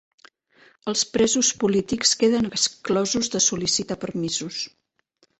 Els presos polítics queden exclosos de sol·licitar permisos